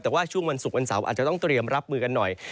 แต่ว่าช่วงวันศุกร์วันเสาร์อาจจะต้องเตรียมรับมือกันหน่อย